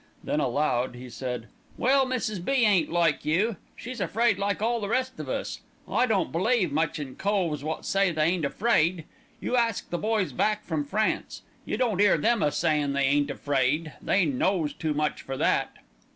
Then aloud he said: "Well, Mrs. B. ain't like you! She's afraid like all the rest of us. I don't believe much in coves wot say they ain't afraid. You ask the boys back from France. You don't 'ear them a sayin' they ain't afraid. They knows too much for that."